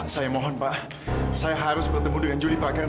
saya mohon saya harus bertemu dengan julie